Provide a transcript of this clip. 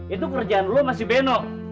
itu kerjaan lu masih beno